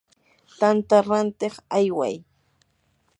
tanta rantiq ayway.